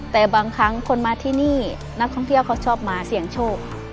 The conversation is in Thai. แต่บางครั้งคนมาที่นี่นักท่องเที่ยวเขาชอบมาเสี่ยงโชค